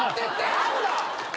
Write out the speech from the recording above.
何だ？